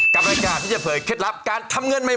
กับรายการที่จะเผยเคล็ดลับการทำเงินใหม่